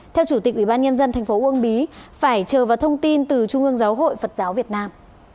theo chủ tịch ubnd tp uông bí phải chờ vào thông tin từ trung ương giáo hội phật giáo việt nam